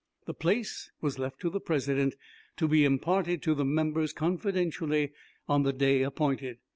The place was left to the President, to be imparted to the members confidentially on the day appointed.